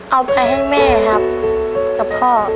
เอาไปให้แม่ครับกับพ่อ